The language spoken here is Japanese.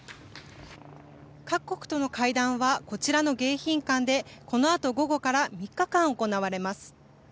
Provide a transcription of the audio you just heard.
各国との会談はこちらの迎賓館でこのあと、午後から３日間行われます。